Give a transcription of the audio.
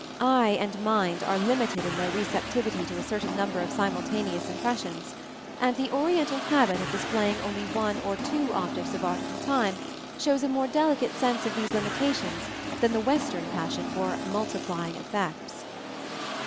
Eye and mind are limited in their receptivity to a certain number of simultaneous impressions, and the Oriental habit of displaying only one or two objects of art at a time shows a more delicate sense of these limitations than the Western passion for multiplying effects.